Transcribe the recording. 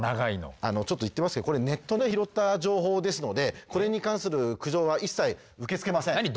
あのちょっと言っておきますけどこれネットで拾った情報ですのでこれに関する苦情は一切受け付けません。